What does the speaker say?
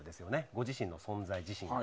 ご自身の存在自体が。